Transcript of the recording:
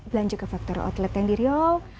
belanja ke factory outlet yang di riau